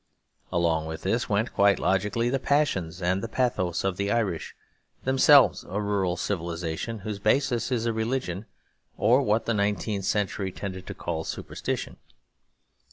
Along with this went, quite logically, the passions and the pathos of the Irish, themselves a rural civilisation, whose basis is a religion or what the nineteenth century tended to call a superstition.